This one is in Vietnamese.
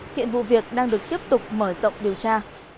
hiện vụ việc đang được tiếp tục mở rộng điều tra